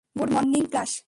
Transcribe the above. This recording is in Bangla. Good morning, class!